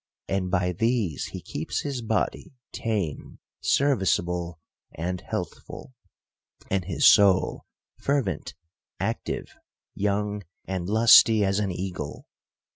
And by these he keeps his body tame, serviceable, and healthful ; and his soul fervent, active, young, and lusty as an eagle.